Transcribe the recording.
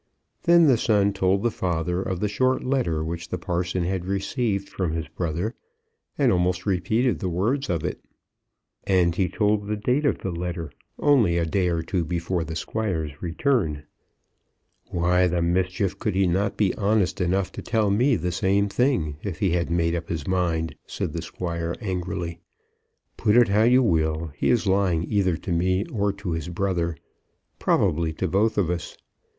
Then the son told the father of the short letter which the parson had received from his brother, and almost repeated the words of it. And he told the date of the letter, only a day or two before the Squire's return. "Why the mischief could he not be honest enough to tell me the same thing, if he had made up his mind?" said the Squire, angrily. "Put it how you will, he is lying either to me or to his brother; probably to both of us.